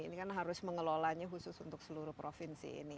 ini kan harus mengelolanya khusus untuk seluruh provinsi ini